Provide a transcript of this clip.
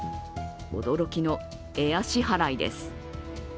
驚きのエア支払いです。